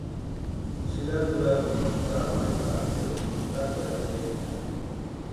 Sïranta urapiti karanharhitarakweesti pʼitakateri ampe.